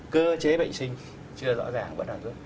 cơ chế bệnh sinh chưa rõ ràng